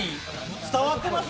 伝わってます？